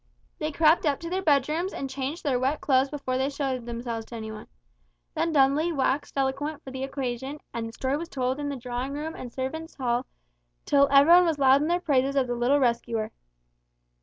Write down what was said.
They crept up to their bedrooms and changed their wet clothes before they showed themselves to any one. Then Dudley waxed eloquent for the occasion, and the story was told in drawing room and servants' hall, till every one was loud in their praises of the little rescuer.